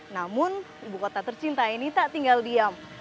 namun ibu kota tercinta ini tak tinggal diam